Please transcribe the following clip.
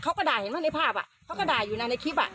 เขาก็ด่าเห็นไหมในภาพอ่ะเขาก็ด่าอยู่ในคลิปอ่ะ